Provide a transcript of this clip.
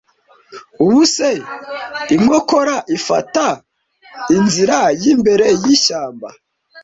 Ubuse inkokora ifata inzira yimbere yishyamba,